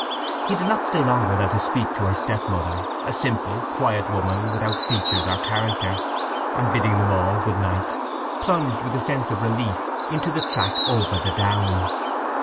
He did not stay longer than to speak to her stepmother, a simple, quiet woman without features or character; and bidding them all good night plunged with a sense of relief into the track over the down.